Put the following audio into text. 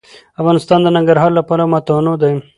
افغانستان د ننګرهار له پلوه متنوع دی.